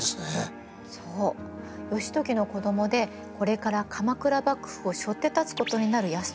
義時の子どもでこれから鎌倉幕府をしょって立つことになる泰時がね